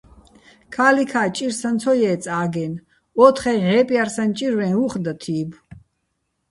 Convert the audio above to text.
ქა́ლიქა́ ჭირსაჼ ცო ჲე́წე̆ აგენ, ოთხე ჲჵე́პჲარსაჼ ჭირვე́ჼ უ̂ხ და თი́ბო̆.